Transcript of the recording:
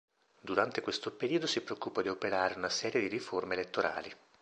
Durante questo periodo si preoccupò di operare una serie di riforme elettorali.